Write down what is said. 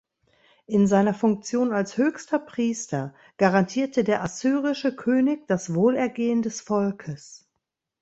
In seiner Funktion als höchster Priester garantierte der assyrische König das Wohlergehen des Volkes.